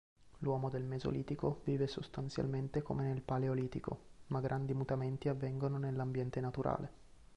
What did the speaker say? L'uomo del Mesolitico vive sostanzialmente come nel Paleolitico, ma grandi mutamenti avvengono nell'ambiente naturale.